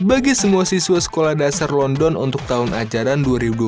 bagi semua siswa sekolah dasar london untuk tahun ajaran dua ribu dua puluh tiga dua ribu dua puluh empat